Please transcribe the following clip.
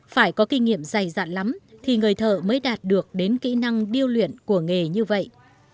phải có kinh nghiệm dày dặn lắm thì người thợ mới đạt được đến kỹ năng điêu luyện của nghề như vậy